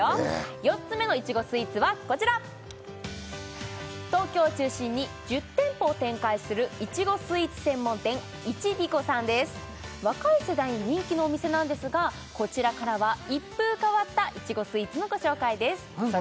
４つ目のいちごスイーツはこちら東京を中心に１０店舗を展開する若い世代に人気のお店なんですがこちらからは一風変わったいちごスイーツのご紹介です何だろ？